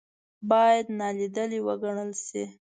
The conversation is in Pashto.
باید نا لیدلې وګڼل شي.